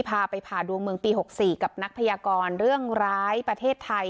พาไปผ่าดวงเมืองปี๖๔กับนักพยากรเรื่องร้ายประเทศไทย